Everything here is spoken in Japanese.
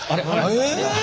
え！